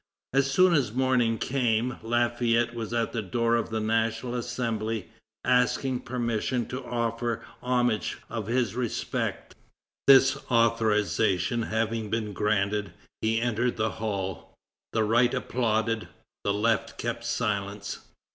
As soon as morning came, Lafayette was at the door of the National Assembly, asking permission to offer the homage of his respect. This authorization having been granted, he entered the hall. The right applauded; the left kept silence.